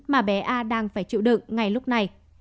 mà bé a đang phải chịu đựng ngay lúc này